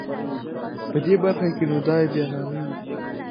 په دې برخه کې نو دای بیا نامي و.